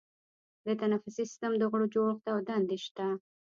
د تنفسي سیستم د غړو جوړښت او دندې شته.